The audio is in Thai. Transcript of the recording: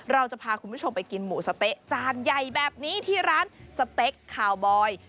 เราจะพาคุณผู้ชมไปกินหมูสะเต๊ะจานใหญ่แบบนี้ที่ร้านสเต็กคาวบอย